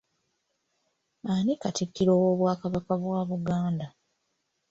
Ani katikkiro w'obwakabaka bwa Buganda?